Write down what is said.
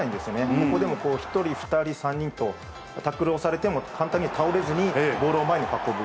ここでも１人、２人、３人と、タックル押されても、簡単に倒れずにボールを前に運ぶ。